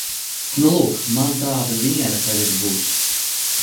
Nu lūk, man tāda viena tagad būs.